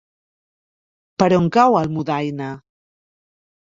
Per on cau Almudaina?